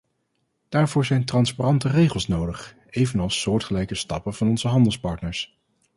Daarvoor zijn transparante regels nodig, evenals soortgelijke stappen van onze handelspartners.